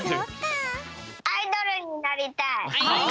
アイドルになりたい。